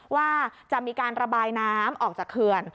ว่าจะมีการระบายน้ำออกจากเขื่อน